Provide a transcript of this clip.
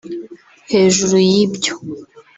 Hejuru y’ibyo